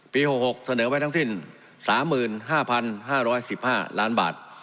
๖๖เสนอไว้ทั้งสิ้น๓๕๕๑๕ล้านบาท